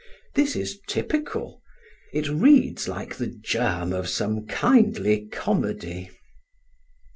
This is typical: it reads like the germ of some kindly comedy.